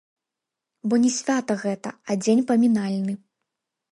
Бо не свята гэта, а дзень памінальны.